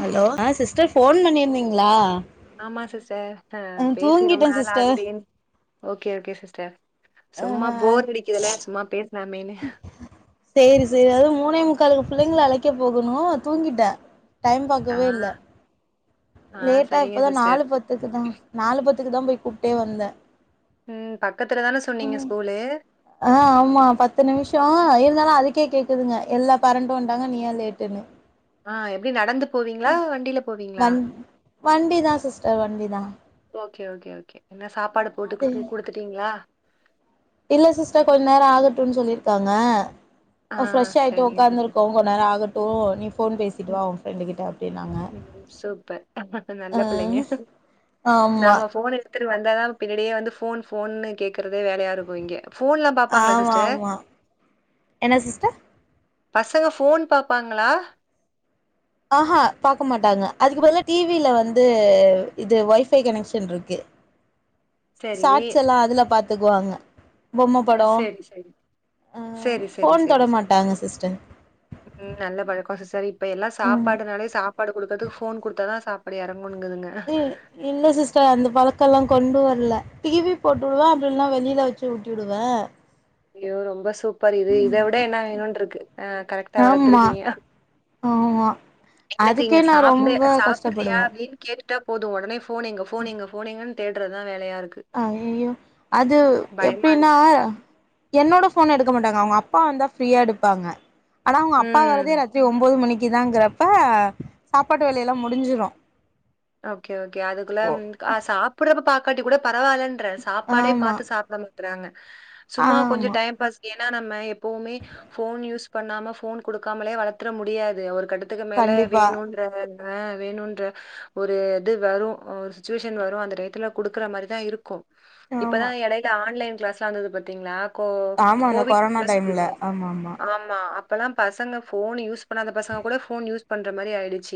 Hello ஆ sister phone பண்ணிர்ந்தீங்களா ஆமா சிஸ்டர் அ பேசி ரொம்ப சிஸ்டர் நாளாகுதேன் ஓகே ஓகே சிஸ்டர் சும்மா ஆஹ போர் அடிக்குதுல சும்மா பேஸ் சேரி சேரி அதுவு மூணே முக்காலுக்கு புள்ளைங்க அழைக்க போகணு தூங்கிட்டே டைம் ஆ பாக்கவே இல்ல ஆ லேட்டா சரிங்க இப்பதா சிஸ்டர். நாலு பத்துக்கு தா நாலு பத்துக்கு தா போய் கூப்ட்டே வந்தே ம் பக்கத்துல தான சொன்னீங்க ஸ்கூலு ஆ ஆமா பத் பத்து நிமிஷம் இருந்தாலு அதுக்கே கேக்குதுங்க எல்லா பாரண்ட்டு வண்ட்டாங்க நீய லேட்டுன்னு ஆ எப்டி நடந்து போவீங்களா வண்டியில போவீங்களா வண் வண்டி தா சிஸ்டர் வண்டி தா ஓகே ஓகே ஓகே என்ன சாப்பாடு அது போட்டுக்கட்டு குடுத்துட்டீங்களா இல்ல சிஸ்டர் கொஞ்ச நேரம் ஆகட்டும்ன்னு சொல்லியிருக்காங்க ஆ ஃப்ரெஷ் ஆகிட்டு சரிங்க சிஸ்டர். உக்காந்துருக்கோ கொந்நேரோ ஆகட்டு நீ ஃபோன் பேசிட்டு வா ம் உங்க ஃப்ரெண்டு கிட்ட அப்டின்னாங்க ம் அ நம்ம ஃபோன் எடுத்துட்டு வந்தாதா பின்னாடியே வந்து ஃபோன் ஃபோன்னு கேக்குறதே வேலையா இருக்கு இங்க ஃபோன்லா பாப்பாங்களா ஆமா சிஸ்டர் ஆமா என்ன சிஸ்டர் பசங்க ஃபோன் பாப்பாங்களா ஆஹா பாக்க மாட்டாங்க அதுக்கு பதுலா டிவில வந்து இது ஒய்ஃபை கனெக்ஷன்ருக்கு சரி. ஷாட்ஸ் எல்லா அதுல பாத்துக்குவாங்க பொம்ம அ படொ சேரி சேரி அ சேரி சேரி ஃபோன் சேரி தொட சேரி மாட்டாங்க சிஸ்டர் ம் நல்ல பழக்கோ சிஸ்டர் இப்ப எல்லா ஆமா சாப்பாடுனாலே சாப் ப்பாடுக்குடுகதுகு ஃபோன் குடுத்தாதா சப்பாடு எறங்குனுங்துங்க [unintelligible] இல்ல சிஸ்டர் அந்த பழக்கொல்லா கொண்டு வர்ல டிவி போட்டு உடுவ அப்ல்லனா வெளில வச்சு ஊட்டிடுவ ஐயோ ரொம்ப சூப்பர் இது இத விட என்ன வேணுன்ருக்கு ஆ கரெக்டா ஆமா வளத்துருக்கீங்க ஆமா எனக்கு அதுக்கே இங்க நா சாப்டு ரொம்ப சாப்புறியா கஷ்டப்படுவே அப்டின் கேட் ட்டா போது ஒடனே ஃபோன் எங்க ஃபோன் எங்க ஃபோன் எங்கன்னு தேட்றதா வேலயாருக்கு அ ஐய்யயோ அது எப்டின்னா இருக்கு என்னோட ஃபோன் எடுக்க மாட்டாங்க அவுங்க அப்பா வந்தா ஃப்ரீயா எடுப்பாங்க ஆனா அவுங்க அப்பா ம் வரதே ராத்திரி ஒம்போது மணிக்கு தாங்கிறப்ப சாப்பாட்டு வேலையெல்லா முடுஞ்சுரு ஓகே ஓகே அதுக்குள்ள ம் அ சாப்புட்றப்ப பாக்காட்டி கூட பரவால்லன் ட்ர சாப்பாடே ஆமா பாத்து சாப்ட மாட்றாங்க சும்மா கொஞ்ச ஆமா டைம் பாஸ் ஏன்னா நம்ம எப்போவுமே ஃபோன் யூஸ் பண்ணாம ஃபோன் குடுக்காமலே வளத்துற முடியாது ஒரு கட்டத் த்துக்கு மேல கண்டிப்பா வேணுன்ற வேணுன்ற ஒரு இது வரு ம் ஒரு சுச்சுவேஷன் வரு அந்த டயத்துல குடுக்குற மாரிதா இருக்கூ இப்பதா ஆமா எடை ல ஆன்லைன் கிளாஸ்லா வந்தது பாத்தீங்ளா கோ ஆமா அந்த கோவிட் கொரோனா டைம்ல ஆமா ஆமா [unintelligible] ஆம்மா அப் பல்லா பசங்க ஃபோன் யூஸ் பண்ணாத பசங்க கூட ஃபோன் யூஸ் பண்ற மாரி ஆயிடுச்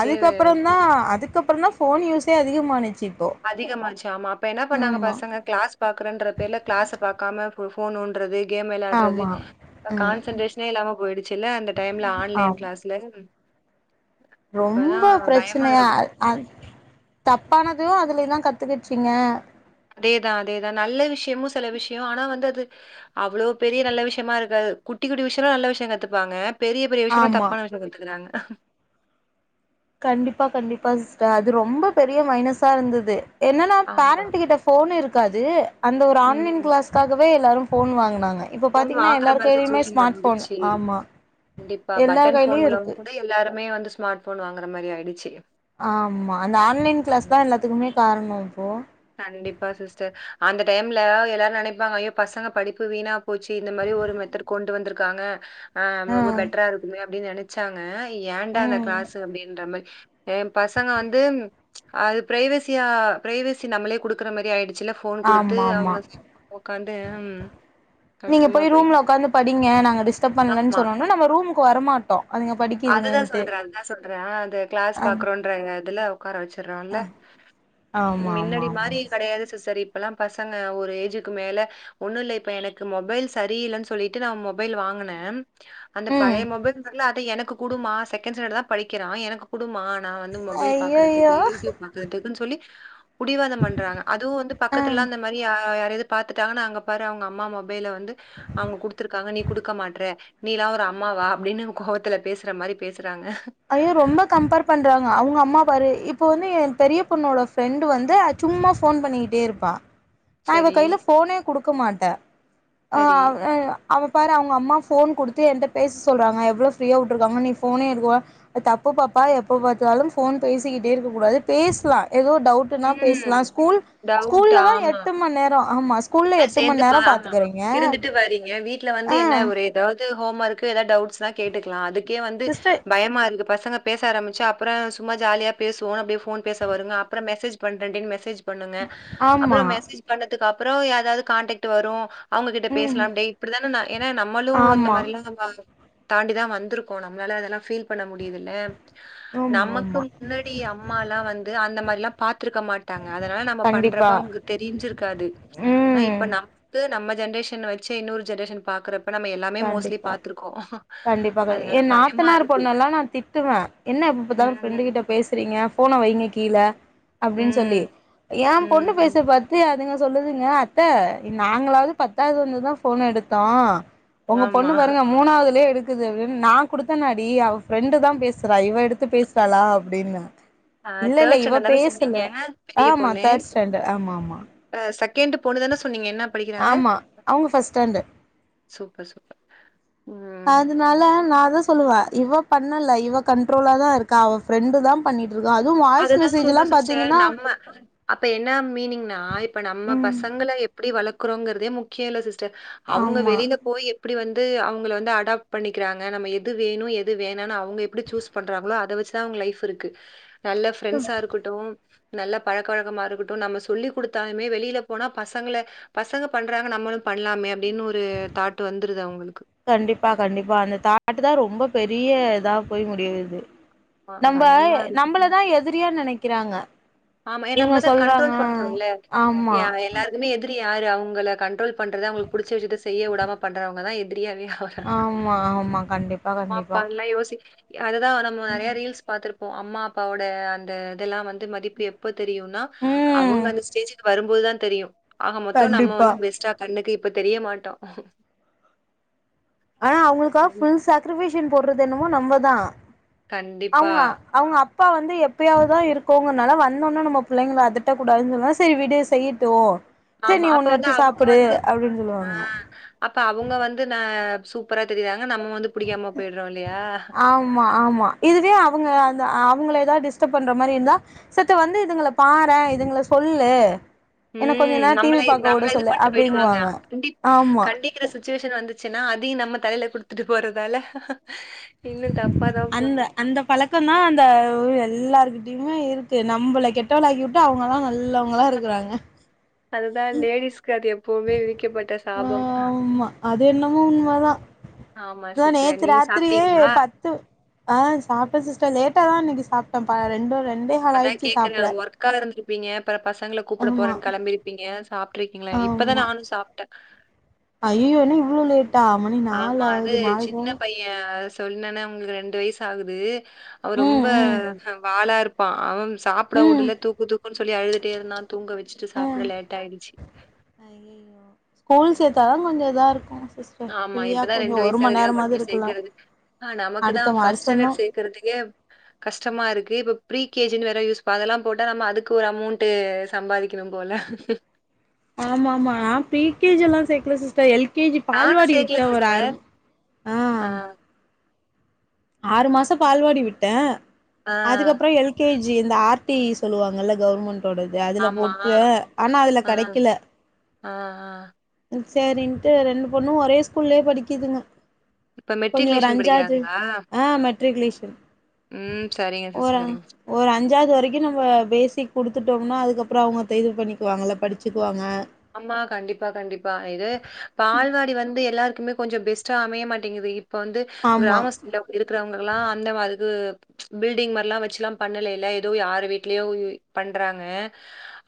அதுக்கப்புறந் தா அதுக்கப்புறந் தா ஃபோன் யூஸே அதிகமானுச்சி அதிகமாச்சு ஆமா அப்ப என்ன பண்ணாங்க பசங்க க்ளாஸ் பாக்குறன்ற பேர்ல க்ளாஸ பாக்காம போ ஃபோன் நோண்றது கேம் வெளாட்றது ஆமா ம் கான்சன்ட்ரேஷனே இல்லாம போயிடுச்சுல்ல அந்த டைம்ல ஆன்லைன் ஆம் கிளாஸ்ல ரொம்ப இப்பதான் பயமா பிரச்சனையா இருக்கு. அ தப்பானதயு அதுலே தா கத்துக்கிச்சுங்க அதேதா அதேதா நல்ல விஷயமு செல விஷயொ ஆனா வந்து அது அவ்ளோ பெரிய நல்ல விஷயமா இருகாது குட்டி குட்டி விஷயொலா நல்ல விஷய கத்துப்பாங்க பெரிய பெரிய விஷயமா ஆமா தப்பான விஷய கத்துக்றாங்க கண்டிப்பா கண்டிப்பா சிஸ்டர் அது ரொம்ப பெரிய மைனஸா இருந்துது என்னன்னா ஆமா. பேரண்ட்டுகிட்ட ஃபோன் இருக்காது அந்த ஒரு ஆன்லைன் ம். க்ளாஸ்காகவே எல்லாரு ஃபோன் வாங்னாங்க இப்போ ஃபோன் பாத்திங்ன்னா வாங்குற எல்லார் மாரி கையிலயுமே சிச்சுவேஷன் ஸ்மார்ட் ஃபோன் வந்துருச்சு. ஆமா எல்லார் கையிலேயு இருக்கு து எல்லாருமே வந்து ஸ்மார்ட் ஃபோன் வாங்குற மாரி ஆயிடுச்சி ஆம்மா அந்த ஆன்லைன் க்ளாஸ் தா எல்லாத்துக்குமே காரணோ இப்போ கண்டிப்பா சிஸ்டர் அந்த டைம்ல எல்லாரு நெனைப்பாங்க ஐயோ பசங்க படிப்பு வீணா போச்சி இந்த மாரி ஒரு மெத்தட் கொண்டு வந்துருக்காங்க ஆ ரொம்ப பெட்ரா இருக்குமே அப்டின் நெனச்சாங்க ஏண்டா அந்த ம் க்ளாஸு அப்டின்ற மாரி ஏம் பசங்க வந்து ம் அது பிரைவசியா பிரைவேசி நம்மளே குடுக்குற மாரி ஆயிடுச்சுல ஃபோன் குடுத்து ஆமா ஆமா அவுங்க ஒக்காந்து அ ம் நீங்க கஷ்டமா போய் போயிட்டு ரூம்ல உக்காந்து படிங்க நாங்க டிஸ்டர்ப் பண்லன் ஆமா. சொன்னோன நம்ம ரூமுக்கு வர மாட்டோ அதுங்கப் அதுதா சொல்றே அந்தா சொல்றே அ அது க்ளாஸ் பாக்குறோன்ற இதுல உக்கார வச்சுட்றோல்ல ஆமா ஆமா மின்னடி ஆமா மாரி சிஸ். கெடையாது சிஸ்டர் இப்பல்லா பசங்க ஒரு ஏஜுக்கு மேல ஒண்ணுல்ல இப்ப எனக்கு மொபைல் சரியில்லன் சொல்லிட்டு நா மொபைல் வாங்குன அந்த ம் பழைய மொபைல் நல்ல அத எனக்கு குடுமா செகண்ட் ஸ்டாண்டர்ட் தா படிக்கிறா எனக்கு குடுமா நா வந்து மொபைல் பாக்குறதுக்கு ஐயையோ யூடியூப் பாக்குறதுக்குன் சொல்லி புடிவாதம் பண்றாங்க அதுவு வந்து ஆ பக்கத்துலாம் மாரி யா யாரையாது பாத்துட்டாங்கன்னா அங்க பாரு அவுங்க அம்மா மொபைல வந்து அவுங்க குடுத்துருக்காங்க நீ குடுக்க மாட்ற நீ ல்லா ஒரு அம்மாவா அப்டின்னு கோவத்துல பேஸ் ருக்கற மாரி பேசுறாங்க ஐயோ ரொம்ப கம்பேர் பண்றாங்க அவுங்க அம்மா பாரு இப்ப வந்து என் பெரிய பொண்ணோட ஃப்ரெண்டு் வந்து சும்மா ஃபோன் பண்ணிக்கிட்டே இருப்பா நா இவ சரி கைல ஃபோனே குடுக்க மாட்டே சரி ஆவ் ஏ அவ பாரு அவுங்க அம்மா ஃபோன் குடுத்து என்ட்ட பேச சொல்றாங்க எவ்ளோ ஃப்ரீயா வுட்டுருக்காங்க நீ ஃபோனே எடுக்குவ அது தப்பு பாப்பா எப்ப பாத்தாலு ஃபோன் பேசிக்கிட்டே இருக்க கூடாது பேஸ்லா ஏதோ டவு ட்ன்னா பேஸ்லா ம் ஸ்கூல் ஸ்கூல்ல தா எட்டு மண் நேரோ ஆமா ஸ் அத சேந்து பா ஆ இருந்துட்டு வரீங்க வீட்ல வந்து ஆ என்ன ஒரு எதாது ஹோம் ஒர்க்கு எதாது டவுட்ஸ்னா கேட்டுக்கலா அதுக்கே வந்து சிஸ்டர் பயமாருக்கு பசங்க பேச ஆரம்பிச்சா அப்புற சும்மா ஜாலியா பேசுவோ அப்டியே ஃபோன் பேச வருங்க அப்புற மெசேஜ் பண்றேன்டி னு மெசேஜ் பண்ணுங்க அப்றோ ஆமா மெசேஜ் பண்ணதுக்கு அப்புறோ யார்வது காண்டக்ட் வரு அவுங்ககிட்ட ம் பேசலாம் டே இப்டிதானே நா ஏன்னா நம்மளு இந்த ஆமா மாதிரிலா தாண்டிதா வந்திருக்கோ நம்மளால அதெல்லா ஃபீல் பண்ண முடியுதுல்ல ஆமா நமக்கு ஆமா முன்னாடி அம் அம்மாலா வந்து அந்த மாரில்லா பாத்துருக்க மாட்டாங்க அதனால நம்ம கண்டிப்பா பண்றப்ப அவங்க்கு தெரிஞ்சிருக்காது ஆன் ம் இப்ப நமக்கு நம்ம ஜென்ரேஷன் வச்சி இன்னொரு ஜென்ரேஷன் பாக்குறப் கண்டிப்பா கண்டிப்பா அதனால என் பயமா நாத்தனார் இருக்கு பொண்ணலா நான் திட்டுவேன் என்ன எப்ப பாத்தாலும் ம் ஃப்ரெண்ட் ம் கிட்ட பேசு எடுக்கீரிங்க போனை வைங்க கீழே அப்டின்னு சொல்லி ம் ஏன் பொண்ணு ம். பேசத பாத் பாத்து அதுங்க சொல்லுதுங்க அத்தை நாங்களாவது பத்தாவது வந்துதான் போனை எடுத்தோம் உங்க பொண்ணு ஆமா பாருங்க மூணாவதுலேயே எடுக் குது நான் குடுத்தனாடி அவ ஃப்ரெண்டு தான் பேசுறா இவ எடுத்து பேசுறாளா அப்டின்னு இல்ல இல்ல தேர்ட் இவ ஸ்டாண்டர்ட் தானே சொன்னீங்க பேசல ஆமா தேர்ட் ஸ்டாண்டர்ட் ஆமா ஆமா அ செகண்ட் பொண்ணுதானே சொன்னீங்க என்ன படிக்கிறாங்க ஆமா அவங்க ஃபர்ஸ்ட் ஸ்டாண்டர்ட் சூப்பர் சூப்பர் ம் அதனால நான் தான் சொல்லுவேன் இவ பண்ணல இவ கண்ட்ரோலா தான் இருக்கா அவ ஃப்ரெண்டு தான் பண்ணிட்டு இருக்கா அதுவும் வாய்ஸ் மெசேஜ்லாம் பாத்தீங்கன்னா பா அப்ப என்ன மீனிங்னா இப்ப நம்ம பசங்கள எப்படி வளர்க்குறோங்கிறதே முக் கியில்ல சிஸ்டர் அவுங்க ஆமா வெளில போய் எப்டி வந்து அவுங்கல வந்து அடாப்ட் பண்ணிக்கிறாங்க நம்ம எது வேணு எது வேணானு அவுங்க எப்டி சூஸ் பண்றாங்களோ அத வச்சு தா அவுங்க லைஃப் இருக்கு நல்ல ஃப்ரெண்ட்ஸா இருக்க ட்டும் நல்ல பழக்க வழக்கமா இருக்கட்டு நம்ம சொல்லி கொடுத்தாலுமே வெளில போனா பசங்கள பசங்க பண்றாங்க நம்மளு பண்லாமே அப்டின்னு ஒரு தாட்டு வந்துருது அவுங்களுக்கு கண்டிப்பா கண்டிப்பா அந்த தாட்டு தா ரொம்ப பெரிய இதா போய் முடியுது அ நம்ப பயமா இருக்கு. நம்மளதான் எதிரியா நினைக்கிறாங்க ஆமா நம்ப தான் கண்ட்ரோல் பண்றோம்ல ஆமா எல்லாரு நம்ம எதிரி யாரு அவங்கள கண்ட்ரோல் பண்றது அவங்களுக்கு பிடிச்ச விஷயத்த செய்ய விடாம பண்றவங்க தான் எதிரியாவே ஆமா ஆமா கண்டிப்பா கண்டிப்பா பாப்பால்லா யோசிக்கு அதுதான் நம்ம நறைய ரீல்ஸ் பாத்துருப்போம் அம்மா அப்பாவோட அந்த இதெல்லாம் வந்து மதிப் எப்போ தெரியும்னா ம் அவங்க அந்த ஸ்டேஜ்க்கு வரும்போதுதான் தெரியும் ஆக மொத்தம் நம்ம கண்டிப்பா வந்து பெஸ்ட்டா கண்ணுக்கு இப்ப தெரிய மாட்டோம் ஆனா அவுங்களுக்கா ஃபுல் சாக்ரிஃபைஷன் போட்றது என்னமோ நம்மதா கண்டிப்பா அவுங்க அவுங்க அப்பா வந்து எப்பயாவ்த் தா இருக்கோங்கறனால வந்தோன்னே நம்ம புள்ளைகள அதட்ட கூடாது சொல்லுவே செரி விடு செய்யி ட்டு ஆமா அப்ப வந்து அவுங்க வந்து ஆ சொல்லுவாங்க அப்ப அவுங்க வந்து ந சூப்பரா தெரியிறாங்க நம்ம வந்து புடிக்காம போயிட்றோ இல்லையா ஆமா ஆமா இதுவே அவுங்க அந்த அவுங்கள எதாத் டிஸ்டப் பண்ற மாரி இருந்தா சத்த வந்து இதுங்கள பாறே இதுங்கள சொல்லு என்ன கொஞ்ச ம் நேரோ டி நம்மள வி பாக்க வுட நம்மள இது சொல்லு அப்டிங்குவாங்க ஆமா க்கிற சுச்சுவேஷன் வந்துச்சுன்னா அதையு நம்ம தலைல குடுத்துட்டு போறதால இன்னு தப்பா தா அந்த போகு அந்த பழக்கந்தா அந்த ஒரு எல்லார் கிட் டயுமு இருக்கு நம்பள கெட்டவளாக்கி வுட்டு அவங்கல்லா நல்லவங்களா இருக்குறாங்க அதுதா லேடிஸ்க்கு அது எப்பவ்மே விதிக்கப்பட்ட சாபம் ஆமா அது என்னமோ உண்மதா ஆமா தோ சிஸ்டர் நேத்து நீங்க ராத்திரியே சாப்பிட்டீங்களா பத்து ஆ சாப்ட்டே சிஸ்டர் லேட்டா தா இன்னைக்கு சாப்ட்டேப்பா ரெண்டு ரெண்டேஹால் ஆயிடுச்சி சாப்பிட கால இருந்திருப்பீங்க அப்பற பசங்கள கூப்பட போறன் கெளம்பிருப்பீங்க சாப்ட்ருப்பீங்ளா இப்பதா நானு சாப்ட்டே அய்யயோ என்னா இவ்ளோ லேட்டா மணி நால் ஆவ்து நால்ர யே சொன்னனா அவுங்களுக் ரெண்டு வய்சாகுது அவ ரொம்ப ம் ம் அ வாலா இருப் பா அவம் சாப்பட ம் உடுல தூக்கு தூக்குன் சொல்லி அழுதுட்டே இருந்தா தூங்க வெச்சிட்டு சாப்ட லேட் ஆயிடுச்சி அய்யயோ ஸ்கூல் சேத்தா தா கொஞ்ச இதா இருக்கு சிஸ் ஆமா இப்பதா ரெண்டு வயசாகுது எங்க கொண்டு சேக்கறது ஆ நமக்கு தா அடுத்த ஃபஸ்ட் வருஷந்தா ஸ்டேண்டட் சேக் கிறத்துக்கே கஷ்டமா இருக்கு இப்ப ப்ரீ கே ஜி னு வேற யூஸ்ப்பா அதெல்லா போட்டா நம்ம அதுக்கு ஒரு அமௌண்ட்டு சம்பாரிக்கணு போல ஆமா ஆமா நா ப்ரீ கே ஜி எல்லா சேக்கல சிஸ்டர் எல் கே ஜி நானும் பால்வாடி சேர்க்கல விட்டே ஒரு ஆறு சிஸ்டர். ஆ ஆறு மாசோ பால்வாடி விட்டே ஆ, அதுக்கப்பறோ எல் கே ஜி இந்த ஆர் டி சொல்லுவாங்கல்ல கவுர்மெண்ட்டோடது அதுல ஆமா. போட்ட ஆனா அதுல ஆ, கெடைக்கில ஆ ஆ ம் சேரின்ட்டு ரெண்டு பொண்ணு ஒரே ஸ்கூல்லே படிக்குதுங்க இப்ப கொஞ்சோ ஒரு மெட்ரிகுலேஷன் அஞ்சாவ்து படிக்கிறாங்களா? ஆ மெட்ரிக்லேஷன் ம் சரிங்க சிஸ்டர் சரிங்க சிஸ் ஒரு அஞ்சாவ்து வரைக்கு நம்ம பேசிக் குடுத்துட்டோம்னா அதுக்கப்பறோ அவுங்க தேகில் பண்ணிக்குவாங்கல்ல படிச்சிக்குவாங்க ஆமா கண்டிப்பா கண்டிப்பா இது பால்வாடி வந்து எல்லாருக்குமே கொஞ்சோ பெஸ்ட்டா அமைய மாட்டிங்கிது இப் ப வந்து ஆமா கிராமஸ் தீலா இருக்கறவங்கல்லா அந்த மார் இது பில்டிங் மாரில்லா வெச்சுல்லா பண்ணலைல எதோ யாரு வீட்லயோ பண்றாங்க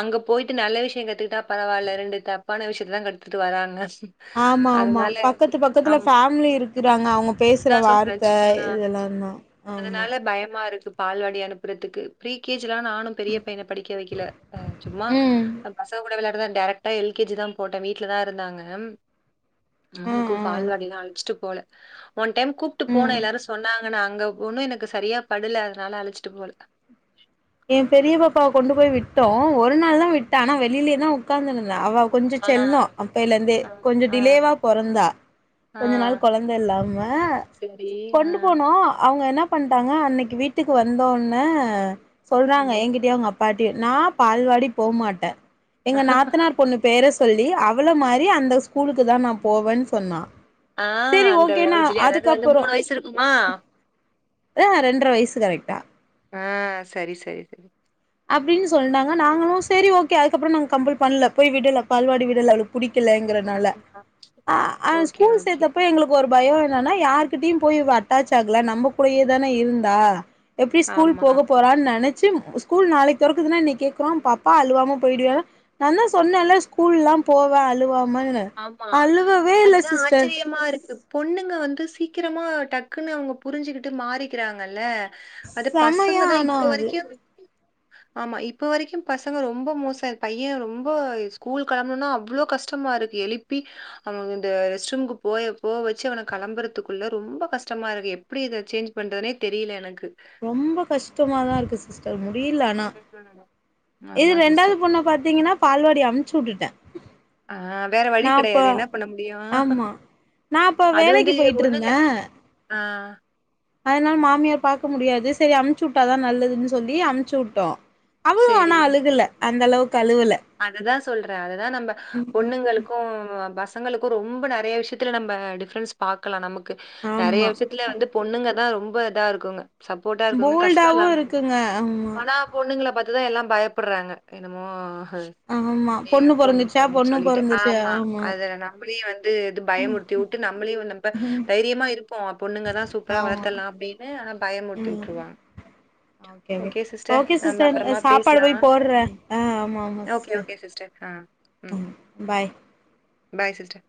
அங்க போய்ட்டு நல்ல விஷயோ கத்துகிட்டா பரவால்ல ரெண்டு தப்பான விஷயத்த தா கத்துட்டு வராங்க ஆமா ஆமா அதனால பக்கத்து பக்கத்துல ஆமா. ஃபேம்லி இருக் குறாங்க அவங்க பேசற அதான் சொல்றேன். வார்த்த இதெல்லா தா ஆமா பயமாருக்கு பால்வாடி அனுப்பறத்துக்கு ப்ரீ கே ஜி லா நானு பெரிய பையன படிக்க வெக்கில அ சும்மா ம் அ பசங்க கூட விளாடதா டேரக் ட்டா எல் கே ஜி தா போட்ட வீட்லதா இருந்தாங்க ம் ம் அவுங்ளுக்கு ம் பால்வாடிலா அழச்சிட்டு போல ஒன் டைம் கூப்ட்டு போன ம் எல்லாரு சொன்னாங்கன்னு அங்க ஒன்னு எனக்கு சரியா படுல அதுனால அழச்சிட்டு போல எ பெரிய பாப்பாவ கொண்டு போய் விட்டோ ஒரு நாள்தா விட்ட ஆனா வெளிலயேதா உக்காந்திருந்தா அவ கொஞ்சோ ஆ, செல்லோ அப்பேலந்தே ஆ, கொஞ்சோ ஆ, டிலேவா பொறந்தா ஆ. கொஞ்ச நாள் கொழந்த இல்லாம சரி. ஆ, கொண்டு போனோ அவுங்க என்னப் பண்டாங்க அன்னைக்கு வீட்டுக்கு வந்தோன்ன சொல்றாங்க சரி. என்கிட்டயு அவுங்கப் பாட்டயு நா பால்வாடி போ மாட்டே எங்க நாத்தனார் பொண்ணு பேர சொல்லி அவள மாரி அந்த ஸ்கூலுக்குதா நா போவேன்னு சொன்னா ஆ சேரி அந்த ஓகே நா ஏஜ்ஜிலே அதாது வந்து அதுக்கப்புறோ மூணு வயசு இருக்குமா அ ரெண்ட்ர வயசு கரெக்டா ஆ சரி சரி சரி அப்டீன் சொன்னாங்க நாங்களு செரி ஓகே அதுக்கப்பறோ நாங்க கம்பல் பண்ல போய் விடல பால்வாடி விடல அவளுக்கு புடிக்கலங்கர னால அஅ ஓகே, ஸ்கூல் ஓகே. சேத்தப்ப எங்களுக் கு ஒரு பயோ என்னன்னா யார்கிட்டயு போய் இவ அட்டாச் ஆகல நம்ம கூடயே தான இருந்தா எப்டி ஸ்கூல் ஆமா, போக போறான்னு நெனச்சு ஸ்கூல் நாளைக் தொறக்குதுனா இன்னெக் கேக்குறோ பாப்பா அழுவாம போயிடுவியானா நான்தா சொன்னேன்ல ஸ்கூல்ல்லா போவ அழுவாமனு ஆமா அதுதா ஆச்சிரியமா இருக்கு பொண்ணுங்க வந்து சீக்கிரமா டக்குன்னு அவுங்க புரிஞ்சுக்கிட்டு மாறிக்கிறாங்கல்ல அது செமையா பசங்கதா ஆனா இப்ப அது வரைக்கு ஆமா இப்ப வரைக்கு பசங்க ரொம்ப மோசோ எ பைய ரொம்ப ஸ்கூல் கெளம்பணுனா அவ்ளோ கஷ்டமா இருக் எழுப்பி அவங்க இந்த ரெஸ்ட் ரூம்க்கு போய போ வச்சு அவன களம்பறதுக்குள்ள ரொம்ப கஷ்டமா இருக்கு எப் பிடி இத சேஞ்ச் பண்றதுனே தெரில எனக்கு ரொம்ப கஷ்டமாதா இருக்கு சிஸ் ஸ்டர் முடில ஆனா ம். இது ஆமா ரெண்டாவது சிஸ்டர். பொண்ண பாத்தீங்கன்னா பால்வாடி அன்ப்ச்சு உட்டுட்டே ஆ வேற வழி கெடையாது என்ன பண்ண முடியு ஆமா நா அப்ப அது வந்து வேலைக்கு அது ஒண்ணுல்ல போயிட்ருந்தே ஆ அதனால மாமியார் பாக்க முடியாது சரி அமுச்சுவுட்டாதா நல்லதுன்னு சொல்லி அமுச்சுவுட்டோ அவளு ஆனா அழுகல அந்த அளவுக்கு அழுவல அததா சொல்றே அதுதா நம்ம பொண்ணுங்களுக் கு பசங்களுக்கு ரொம்ப நறைய விஷயத்துல நம்ம டிஃபரன்ஸ் பாக்கலா நமக்கு நறைய ஆமா விஷய த்துல வந்து பொண்ணுங்கதா ரொம்ப இதா இருக்குங்க சப்போர்டா இருக்குங்க கஷ்ட போல்டாவு இல்லாம இருக்கு இருக்குங்க ஆமா ஆனா பொண்ணுங்கள பாத்துதா எல்லாம் பயப்படுறாங்க என்னமோ ஆமா பொண்ணு பொறந்துச்சா பொண்ணு பொறந்துருச்சு ஆமா நம்மளையு வந்து இது பயமுறுத்தி விட்டு நம்மளையும் வ நம்ப தைரியமா இருப்போ பொண்ணுங்கதா சூப்பரா ஆமா வளர்த்தலான் அப்படின்னு ஆனா பயமுறுத்தி ம் விட்டுருவாங்க ஓகே ஓகே ஓகே நம்ம சிஸ்டர் அப்புறமா சாப்பாடு பேசலாம். போய் போடுறே ம். ஆ ஆமாம் ஓகே ஓகே சிஸ்டர் ஆ ம் பாய் பாய் சிஸ்டர்